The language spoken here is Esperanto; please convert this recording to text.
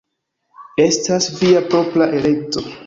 Estas via propra elekto.